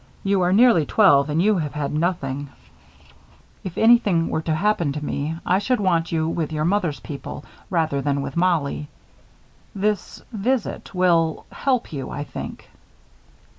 You are nearly twelve and you have had nothing. If anything were to happen to me, I should want you with your mother's people rather than with Mollie. This visit will help you, I think."